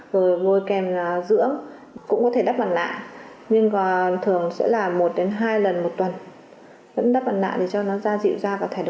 bốn bồi kèm dưỡng chất dành cho da nhiễm copticoid